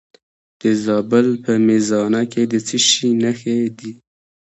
د زابل په میزانه کې د څه شي نښې دي؟